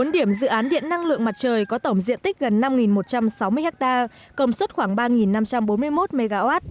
bốn điểm dự án điện năng lượng mặt trời có tổng diện tích gần năm một trăm sáu mươi ha công suất khoảng ba năm trăm bốn mươi một mw